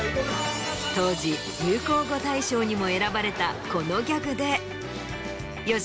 当時流行語大賞にも選ばれたこのギャグで。